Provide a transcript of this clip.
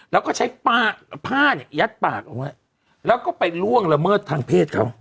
แล้วก็ใช้ผ้าเนี่ยยัดปากเอาไว้แล้วก็ไปล่วงละเมิดทางเพศเขา